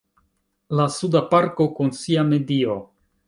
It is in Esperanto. La Suda parko kun sia medio.